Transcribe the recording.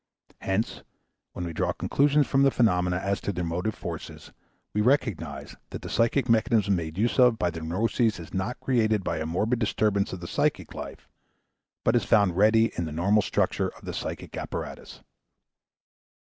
Hence, when we draw conclusions from the phenomena as to their motive forces, we recognize that the psychic mechanism made use of by the neuroses is not created by a morbid disturbance of the psychic life, but is found ready in the normal structure of the psychic apparatus.